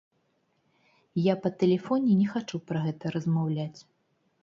Я па тэлефоне не хачу пра гэта размаўляць.